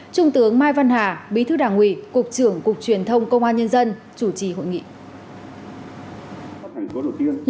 trung tướng mai văn hà bí thư đảng ủy cục trưởng cục truyền thông công an nhân dân chủ trì hội nghị